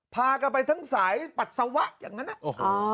พากันไปทั้งสายปัสสาวะอย่างนั้นนะโอ้โห